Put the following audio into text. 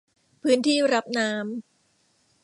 พื้นที่รับน้ำ